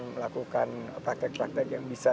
melakukan praktek praktek yang bisa